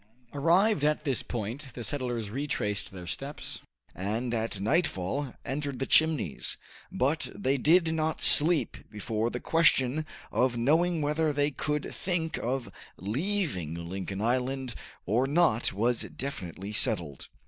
Arrived at this point the settlers retraced their steps, and at nightfall entered the Chimneys; but they did not sleep before the question of knowing whether they could think of leaving Lincoln Island or not was definitely settled.